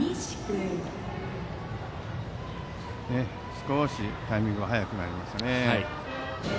少しタイミングが早くなりました。